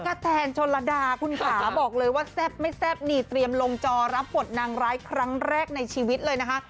กะแตนชนระดาคุณขาบอกเลยว่าแซ่บไม่แซ่บนี่เตรียมลงจอรับบทนางร้ายครั้งแรกในชีวิตเลยนะคะ